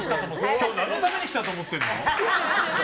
今日何のために来たと思ってんの？